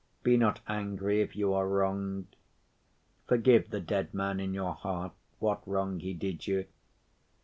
Be not angry if you are wronged. Forgive the dead man in your heart what wrong he did you.